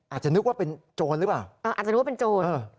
อาจจะนึกว่าเป็นโจรหรือเปล่า